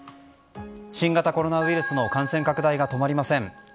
新型コロナウイルスの感染拡大が止まりません。